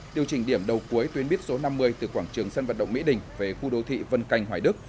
điều chỉnh điểm đầu cuối tuyến buýt số năm mươi từ quảng trường sân vận động mỹ đình về khu đô thị vân canh hoài đức